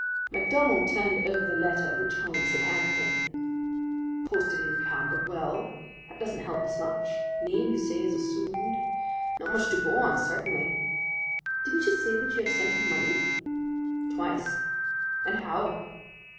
MacDonald turned over the letter which Holmes had handed him. "Posted in Camberwell that doesn't help us much. Name, you say, is assumed. Not much to go on, certainly. Didn't you say that you have sent him money?" "Twice." "And how?"